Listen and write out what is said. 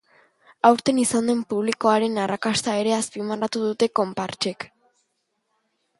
Aurten izan den publikoaren arrakasta ere azpimarratu dute konpartsek.